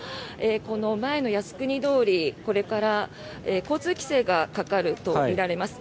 この前の靖国通りこれから交通規制がかかるとみられます。